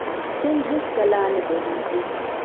هند هیڅکله نه دریږي.